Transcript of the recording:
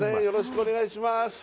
よろしくお願いします